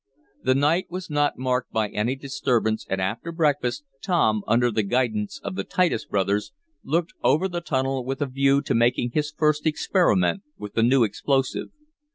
The night was not marked by any disturbance, and after breakfast, Tom, under the guidance of the Titus brothers, looked over the tunnel with a view to making his first experiment with the new explosive.